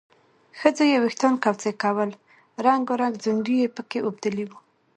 ښځو یې وېښتان کوڅۍ کول، رنګارنګ ځونډي یې پکې اوبدلي وو